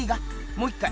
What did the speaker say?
もう一回。